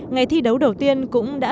ngày thi đấu đầu tiên cũng đã